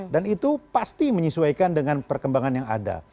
dan itu pasti menyesuaikan dengan perkembangan yang ada